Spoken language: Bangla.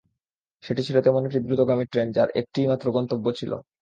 সেটি ছিল তেমন একটি দ্রুতগামী ট্রেন, যার একটিই মাত্র গন্তব্য ছিল।